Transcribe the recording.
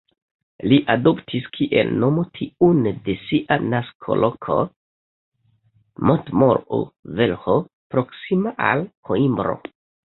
Li adoptis kiel nomo tiun de sia naskoloko, Montemor-o-Velho, proksima al Koimbro.